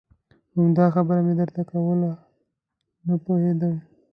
همدا خبره مې درته کوله نه پوهېدم.